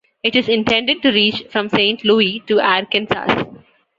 It is intended to reach from Saint Louis to Arkansas.